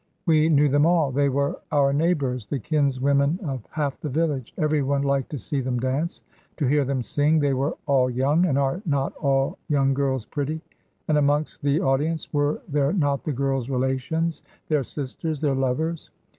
We knew them all; they were our neighbours, the kinswomen of half the village; everyone liked to see them dance, to hear them sing; they were all young, and are not all young girls pretty? And amongst the audience were there not the girls' relations, their sisters, their lovers?